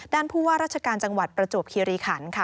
ด้านผู้ว่าราชกาลจังหวัดประจวบคีรีขันต์